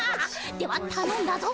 ではたのんだぞ。